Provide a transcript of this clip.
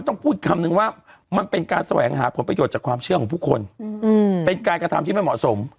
ต้องพูดคำนึงว่ามันเป็นการแสวงหาผลประโยชน์จากความเชื่อของผู้คนเป็นการกระทำที่ไม่เหมาะสม